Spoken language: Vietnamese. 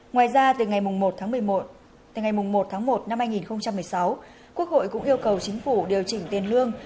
ngoài ra từ ngày một tháng một năm hai nghìn một mươi sáu quốc hội cũng yêu cầu chính phủ điều chỉnh tiền lương